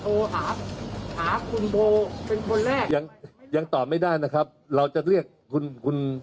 โทรหาหาคุณโบเป็นคนแรกยังยังตอบไม่ได้นะครับเราจะเรียกคุณคุณ